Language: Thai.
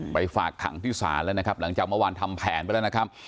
ฝากขังที่ศาลแล้วนะครับหลังจากเมื่อวานทำแผนไปแล้วนะครับ